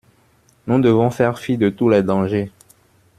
Nous devons faire fi de tous les dangers.